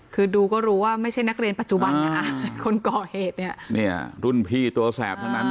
คือดูก็รู้ว่าไม่ใช่นักเรียนปัจจุบันนะคะคนก่อเหตุเนี่ยเนี่ยรุ่นพี่ตัวแสบทั้งนั้น